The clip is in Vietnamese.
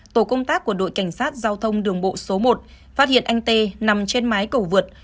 tổ công tác của đội cảnh sát giao thông đường bộ số một phát hiện anh t v t nằm trên mái cầu vượt